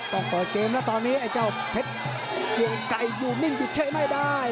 ต้องปล่อยเกมนะตอนนี้ไอ้เจ้าเผ็ดเกี่ยวไก่อยู่นิ่งอยู่เชื่อไม่ได้